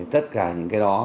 tất cả những cái đó